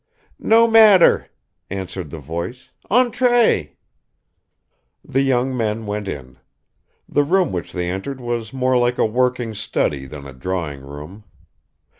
"No matter," answered the voice. "Entrez." The young men went in. The room which they entered was more like a working study than a drawing room.